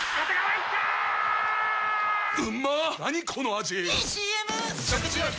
⁉いいＣＭ！！